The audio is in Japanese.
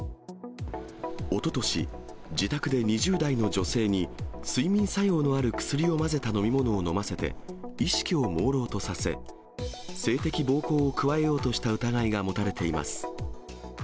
おととし、自宅で２０代の女性に、睡眠作用のある薬を混ぜた飲み物を飲ませて、意識をもうろうとさせ、性的暴行を加えようとした疑いが持たれています。